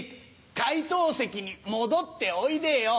回答席に戻っておいでよ。